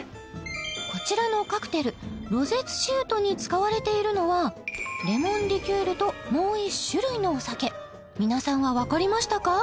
こちらのカクテルロゼ・ツシウトに使われているのはレモンリキュールともう１種類のお酒皆さんは分かりましたか？